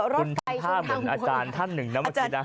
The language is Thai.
คุณท่านผ้าเหมือนอาจารย์ท่านหนึ่งนะมาชิดนะ